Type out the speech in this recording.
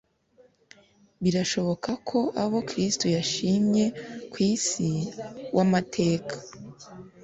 Birashoboka ko abo Kristo yashimye ku munsi w'amateka,